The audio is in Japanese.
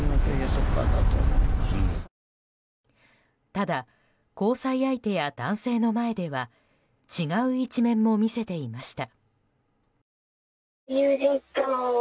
ただ、交際相手や男性の前では違う一面も見せていました。